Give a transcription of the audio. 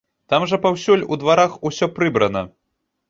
Там жа паўсюль у дварах усё прыбрана.